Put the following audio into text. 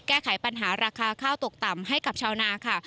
แก้ไขปัญหาราคาข้าวตกต่ำให้กับชาวนาค่ะ